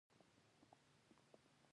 د یو څو دقیقو لپاره مې کتاب ته غوږ نیولی و.